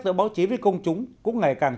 giữa báo chí với công chúng cũng ngày càng